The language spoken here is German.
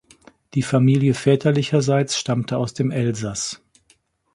Die Familie väterlicherseits stammte aus dem Elsass.